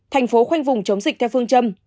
thành phố khoanh vùng chống dịch theo phương châm